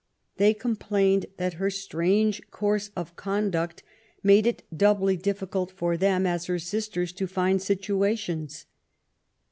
They com plained that her strange course of conduct made it doubly difficult for them, as her sisters, to find situa tions.